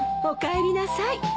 おかえりなさい。